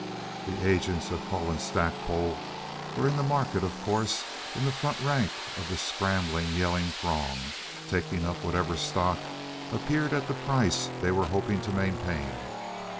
The agents of Hull & Stackpole were in the market, of course, in the front rank of the scrambling, yelling throng, taking up whatever stock appeared at the price they were hoping to maintain.